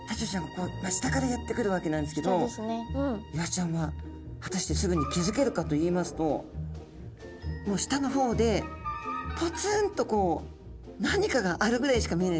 ここ下からやって来るわけなんですけどイワシちゃんは果たしてすぐに気付けるかといいますともう下の方でぽつんとこう何かがあるぐらいしか見えないと思うんですね。